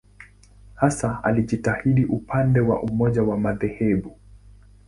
Hasa alijitahidi upande wa umoja wa madhehebu.